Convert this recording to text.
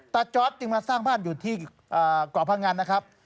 จอร์ดจึงมาสร้างบ้านอยู่ที่เกาะพังงันนะครับ